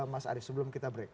mas arief sebelum kita break